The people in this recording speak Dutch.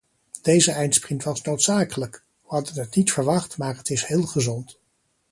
Deze eindsprint was noodzakelijk: we hadden het niet verwacht maar het is heel gezond.